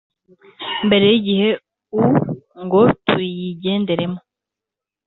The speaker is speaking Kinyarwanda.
mbere y igihe u ngo tuyigenderemo